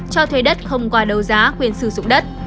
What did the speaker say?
cho thuê đất không qua đấu giá quyền sử dụng đất